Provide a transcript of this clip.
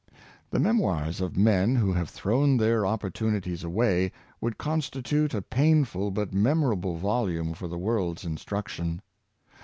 The memoirs of men who have thrown their oppor tunities away would constitute a painful but memorable volume for the world's instruction.